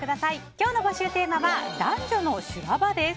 今日の募集テーマは男女の修羅場です。